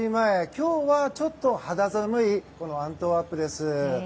今日はちょっと肌寒いアントワープです。